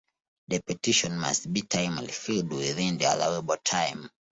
The petition must be timely filed within the allowable time.